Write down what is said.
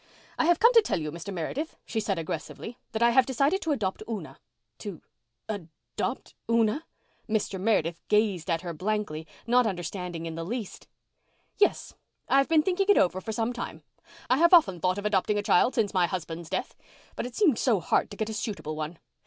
"I have come to tell you, Mr. Meredith," she said aggressively, "that I have decided to adopt Una." "To—adopt—Una!" Mr. Meredith gazed at her blankly, not understanding in the least. "Yes. I've been thinking it over for some time. I have often thought of adopting a child, since my husband's death. But it seemed so hard to get a suitable one.